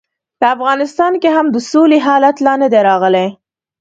په افغانستان کې هم د سولې حالت لا نه دی راغلی.